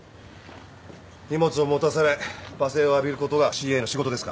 荷物を持たされ罵声を浴びることがＣＡの仕事ですか？